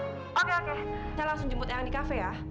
oke oke saya langsung jemput yang di cafe ya